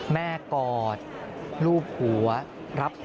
แม่กอดลูกหัวรับแม่ก่อน